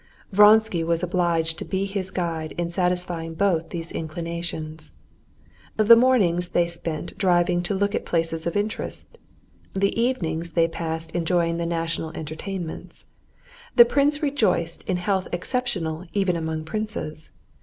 Vronsky was obliged to be his guide in satisfying both these inclinations. The mornings they spent driving to look at places of interest; the evenings they passed enjoying the national entertainments. The prince rejoiced in health exceptional even among princes.